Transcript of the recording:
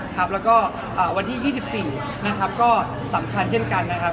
ครับแล้วก็วันที่๒๔นะครับก็สำคัญเช่นกันนะครับ